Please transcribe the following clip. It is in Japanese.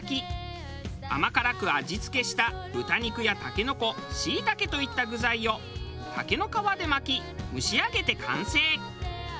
甘辛く味付けした豚肉やタケノコシイタケといった具材を竹の皮で巻き蒸し上げて完成。